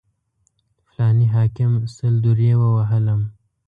فلاني حاکم سل درې ووهلم.